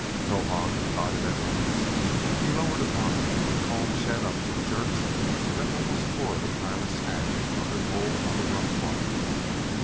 Towahg got it at last. He lowered a vine and hauled Chet up with jerks that almost tore the pilot's hands from their hold on the rough bark.